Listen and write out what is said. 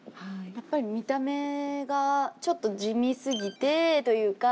やっぱり見た目がちょっと地味すぎてというか。